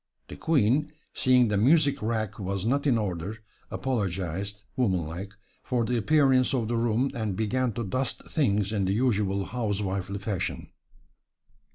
The Queen, seeing the music rack was not in order, apologized, womanlike, for the appearance of the room and began to dust things in the usual housewifely fashion.